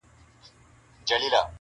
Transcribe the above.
زه اومېدواریم په تیارو کي چي ډېوې لټوم,